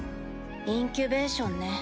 インキュベーションね。